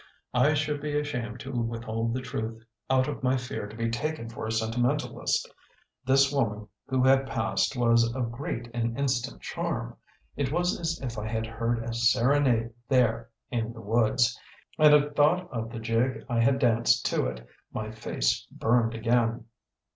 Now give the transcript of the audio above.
I should be ashamed to withhold the truth out of my fear to be taken for a sentimentalist: this woman who had passed was of great and instant charm; it was as if I had heard a serenade there in the woods and at thought of the jig I had danced to it my face burned again.